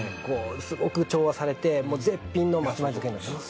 すごく調和されて絶品の松前漬になってます。